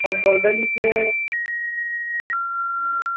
আমাকে শহরে নিয়ে চলো।